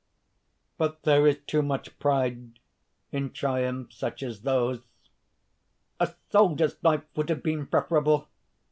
"But there is too much pride in triumphs such as those. A soldier's life would have been preferable.